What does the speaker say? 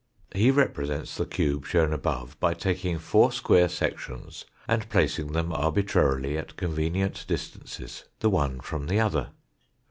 He represents the cube shown above, by taking four square sections and placing them arbitrarily at convenient distances the one from the other.